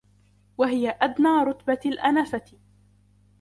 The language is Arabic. وَهِيَ أَدْنَى رُتْبَةِ الْأَنَفَةِ